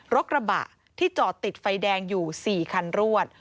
รถกระบะที่จอดติดไฟแดงอยู่๔คันรวด